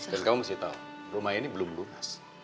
dan kamu mesti tahu rumah ini belum lunas